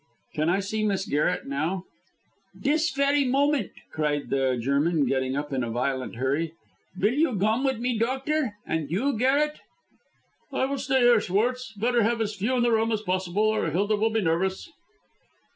"Can I see Miss Garret now?" "Dis ferry moment," cried the German, getting up in a violent hurry. "Will you gome with me, doctor? And you, Garret?" "I shall stay here, Schwartz. Better have as few in the room as possible, or Hilda will be nervous."